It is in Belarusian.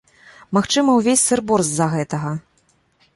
Магчыма, увесь сыр-бор з-за гэтага.